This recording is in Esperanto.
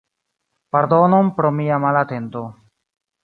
Pardonon pro mia malatento.